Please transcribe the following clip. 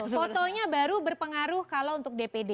fotonya baru berpengaruh kalau untuk dpd